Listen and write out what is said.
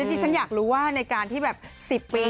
ที่ฉันอยากรู้ว่าในการที่แบบ๑๐ปี